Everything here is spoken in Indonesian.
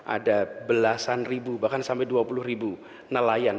ada belasan ribu bahkan sampai dua puluh ribu nelayan